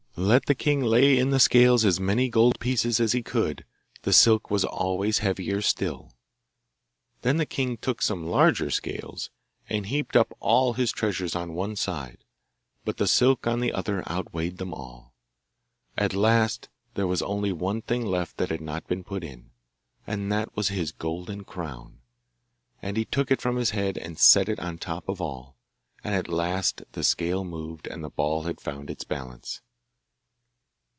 let the king lay in the scales as many gold pieces as he would, the silk was always heavier still. Then the king took some larger scales, and heaped up all his treasures on one side, but the silk on the other outweighed them all. At last there was only one thing left that had not been put in, and that was his golden crown. And he took it from his head and set it on top of all, and at last the scale moved and the ball had founds its balance.